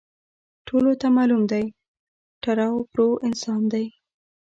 ټولو ته معلوم دی، ټرو پرو انسان دی.